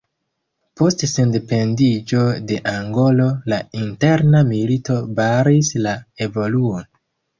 Post sendependiĝo de Angolo la interna milito baris la evoluon.